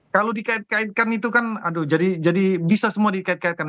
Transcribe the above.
kalau dikait kaitkan itu kan aduh jadi bisa semua dikait kaitkan